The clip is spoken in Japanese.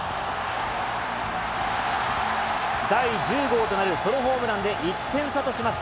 第１０号となるソロホームランで１点差とします。